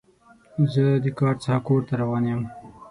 زه د کار څخه کور ته روان یم.